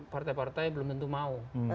partai partai belum tentu mau